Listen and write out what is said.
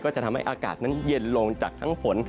จะทำให้อากาศนั้นเย็นลงจากทั้งฝน